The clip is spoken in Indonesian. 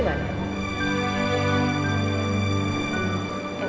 emangnya lo gak cemburu